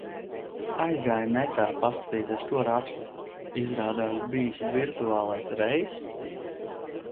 Aizgāju netā paskatīties, ko raksta, izrādās bijis virtuālais reiss?